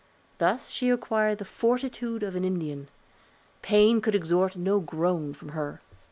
Thus she acquired the fortitude of an Indian; pain could extort no groan from her.